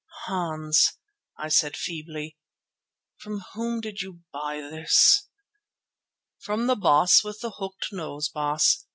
"Hans," I said feebly, "from whom did you buy this?" "From the baas with the hooked nose, Baas.